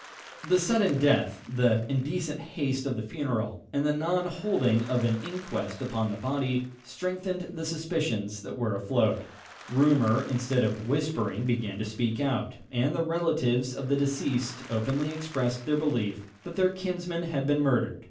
The sudden death, the indecent haste of the funeral, and the non holding of an inquest upon the body, strengthened the suspicions that were afloat. Rumour, instead of whispering, began to speak out; and the relatives of the deceased openly expressed their belief that their kinsman had been murdered.